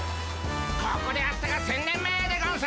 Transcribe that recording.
ここで会ったが１，０００年目でゴンス！